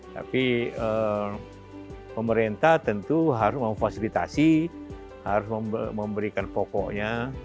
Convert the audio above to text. tapi pemerintah tentu harus memfasilitasi harus memberikan pokoknya